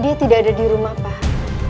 dia tidak ada di rumah pak